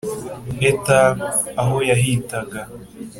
Et la aho yahitaga